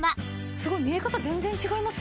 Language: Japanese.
すごい！見え方全然違いますね。